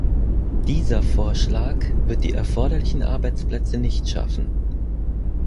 Dieser Vorschlag wird die erforderlichen Arbeitsplätze nicht schaffen.